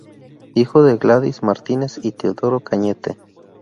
Hijo de Gladys Martínez y Teodoro Cañete.